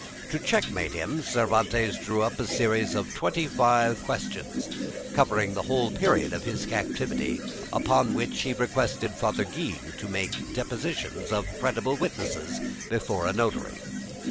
To checkmate him Cervantes drew up a series of twenty five questions, covering the whole period of his captivity, upon which he requested Father Gil to take the depositions of credible witnesses before a notary.